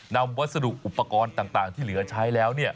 วัสดุอุปกรณ์ต่างที่เหลือใช้แล้ว